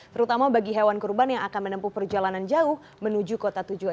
terutama bagi hewan kurban yang akan menempuh perjalanan jauh menuju kota tujuan